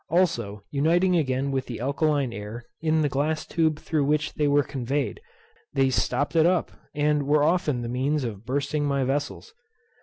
Also, uniting again with the alkaline air, in the glass tube through which they were conveyed, they stopped it up, and were often the means of bursting my vessels.